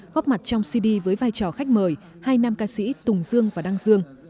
góp mặt trong cd với vai trò khách mời hai nam ca sĩ tùng dương và đăng dương